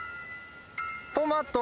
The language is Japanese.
トマト。